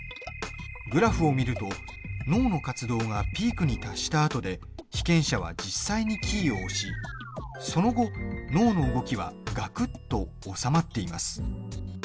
グラフを見ると脳の活動がピークに達したあとで被験者は実際にキーを押しその後、脳の動きはがくっとおさまっています。